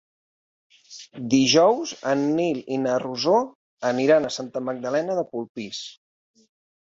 Dijous en Nil i na Rosó aniran a Santa Magdalena de Polpís.